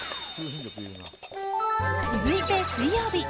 続いて水曜日。